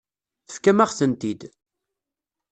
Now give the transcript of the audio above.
Tefkam-aɣ-tent-id.